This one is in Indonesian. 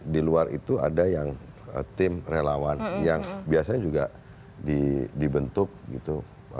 di luar itu ada yang tim relawan yang biasanya juga dibentuk gitu